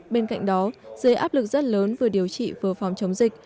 bên cạnh đó dưới áp lực rất lớn vừa điều trị vừa phòng chống dịch